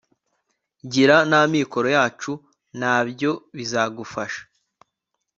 gira n'amikoro yacu, nabyo bizagufasha